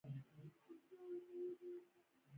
د بېکسیار هر کالم دومره اسانه ژبه لري.